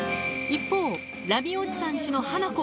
一方、ラミおじさんちのハナコ。